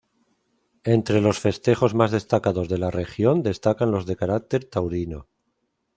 Entre los festejos más destacados de la región, destacan los de carácter taurino.